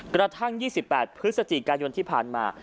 กระทั่ง๒๘พฤศจิกายนที่ผ่านมา